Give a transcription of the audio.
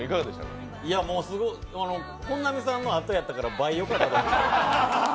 本並さんのあとやったから、倍よかった。